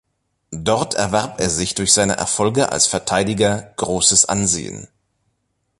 Dort erwarb er sich durch seine Erfolge als Verteidiger großes Ansehen.